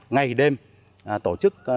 ngày đêm tổ chức